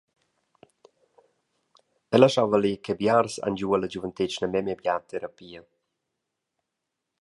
El ha schau valer che biars han giu ella giuventetgna memia bia «terapia».